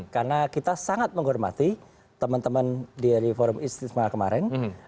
karena kita sangat menghormati teman teman dari forum istismar kemarin